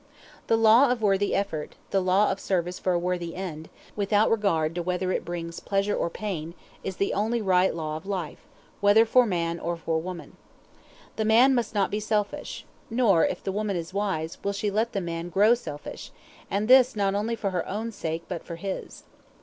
The law of worthy effort, the law of service for a worthy end, without regard to whether it brings pleasure or pain, is the only right law of life, whether for man or for woman. The man must not be selfish; nor, if the woman is wise, will she let the man grow selfish, and this not only for her own sake but for his.